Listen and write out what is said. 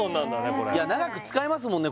これいや長く使えますもんね